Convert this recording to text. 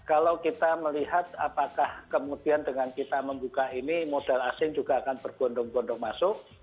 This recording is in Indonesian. kalau kita melihat apakah kemudian dengan kita membuka ini modal asing juga akan berbondong bondong masuk